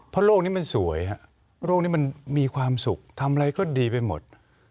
เพราะโลกนี้มันสวยฮะโลกนี้มันมีความสุขทำอะไรก็ดีไปหมด